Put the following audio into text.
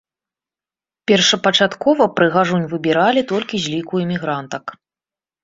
Першапачаткова прыгажунь выбіралі толькі з ліку эмігрантак.